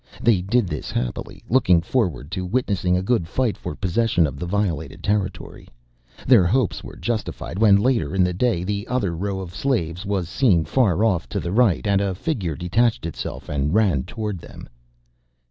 They did this happily, looking forward to witnessing a good fight for possession of the violated territory. Their hopes were justified when later in the day the other row of slaves was seen far off to the right, and a figure detached itself and ran towards them.